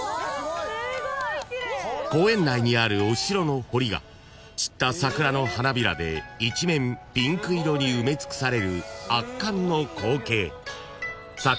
［公園内にあるお城の堀が散った桜の花びらで一面ピンク色に埋め尽くされる圧巻の光景］